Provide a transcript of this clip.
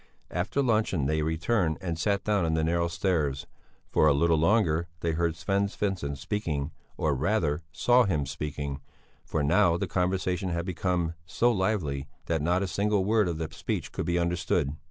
After luncheon they returned and sat down on the narrow stairs; for a little longer they heard Sven Svensson speaking, or rather, saw him speaking, for now the conversation had become so lively that not a single word of the speech could be understood.